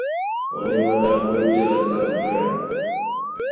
O nɛma daa kuli pela taba doya.